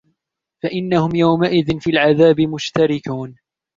فَإِنَّهُمْ يَوْمَئِذٍ فِي الْعَذَابِ مُشْتَرِكُونَ